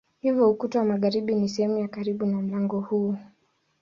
Hivyo ukuta wa magharibi ni sehemu ya karibu na mlango huu.